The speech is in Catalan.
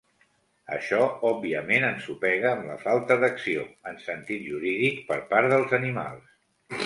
Això òbviament ensopega amb la falta d'acció, en sentit jurídic, per part dels animals.